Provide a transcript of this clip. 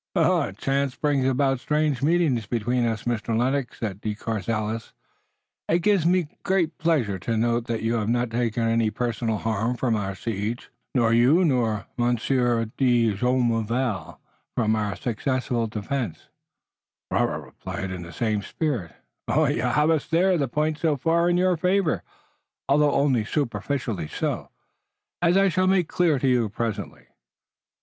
"Chance brings about strange meetings between us, Mr. Lennox," said De Courcelles. "It gives me pleasure to note that you have not yet taken any personal harm from our siege." "Nor you nor Monsieur de Jumonville, from our successful defense," replied Robert in the same spirit. "You have us there. The points so far are in your favor, although only superficially so, as I shall make clear to you presently."